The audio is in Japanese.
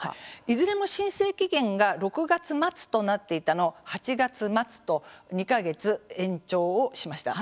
いずれも申請期限が６月末となっていたのを８月末と２か月延長をしました。